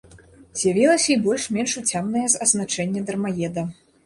З'явілася і больш-менш уцямнае азначэнне дармаеда.